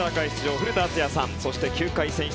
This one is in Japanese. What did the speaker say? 古田敦也さんそして９回選出